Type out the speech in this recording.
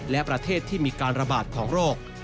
และประเทศที่มีการระบาดของโรค